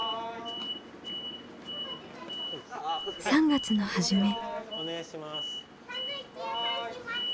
３月の初め。